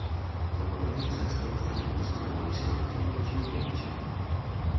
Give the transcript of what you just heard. W omawianych trzech sprawozdaniach doskonale opisano te niedociągnięcia